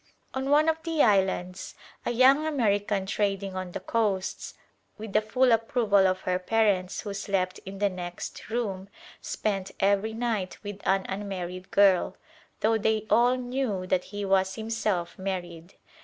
On one of the islands a young American trading on the coasts, with the full approval of her parents who slept in the next room, spent every night with an unmarried girl, though they all knew that he was himself married.